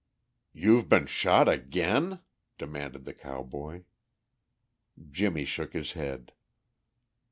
"You've been shot again?" demanded the cowboy. Jimmie shook his head.